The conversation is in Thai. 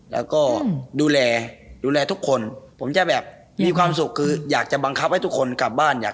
แล้วก็ดูแลดูแลทุกคนผมจะแบบมีความสุขคืออยากจะบังคับให้ทุกคนกลับบ้านอยาก